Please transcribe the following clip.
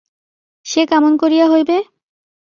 সে কেমন করিয়া হইবে?